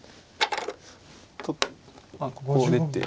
ここを出て。